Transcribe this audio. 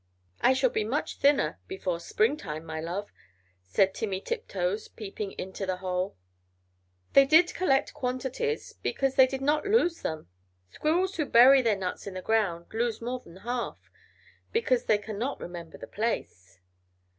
"I shall be much thinner before spring time, my love," said Timmy Tiptoes, peeping into the hole. They did collect quantities because they did not lose them! Squirrels who bury their nuts in the ground lose more than half, because they cannot remember the place.